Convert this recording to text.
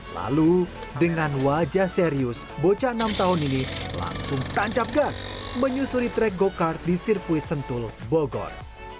lalu dengan wajah serius bocah enam tahun ini langsung tancap gas menyusuri track go kart di sirkuit sentul bogor